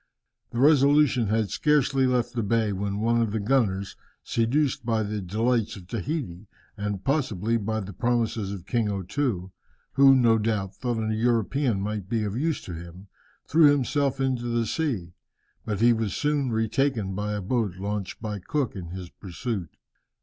The Resolution had scarcely left the bay, when one of the gunners, seduced by the delights of Tahiti, and possibly by the promises of King O Too, who, no doubt, thought a European might be of use to him, threw himself into the sea, but he was soon retaken by a boat launched by Cook in his pursuit.